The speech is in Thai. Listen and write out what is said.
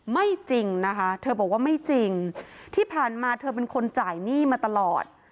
ไม่จริงนะคะเธอบอกว่าไม่จริงที่ผ่านมาเธอเป็นคนจ่ายหนี้มาตลอด